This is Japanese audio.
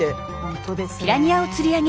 本当ですね。